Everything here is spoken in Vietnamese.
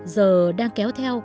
giờ đang kéo theo